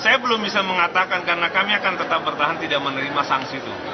saya belum bisa mengatakan karena kami akan tetap bertahan tidak menerima sanksi itu